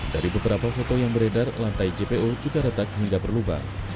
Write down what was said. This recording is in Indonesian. dari beberapa foto yang beredar lantai jpo juga retak hingga berlubang